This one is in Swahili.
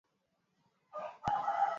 inaonekana kwamba wakati ambapo hakuna maji